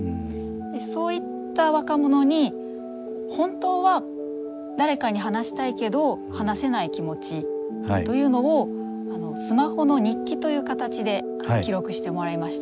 そういった若者に「本当は誰かに話したいけど話せない気持ち」というのをスマホの日記という形で記録してもらいました。